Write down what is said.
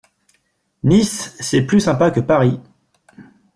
Nice c'est plus sympa que Paris.